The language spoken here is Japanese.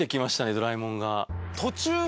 ドラえもんが。